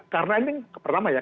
karena ini pertama ya